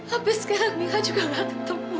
habis sekarang mira juga gak ketemu